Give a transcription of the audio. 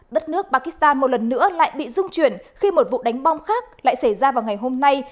đất nước pakistan một lần nữa lại bị dung chuyển khi một vụ đánh bom khác lại xảy ra vào ngày hôm nay